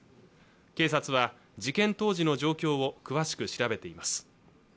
警察は事件当時の状況を詳しく調べています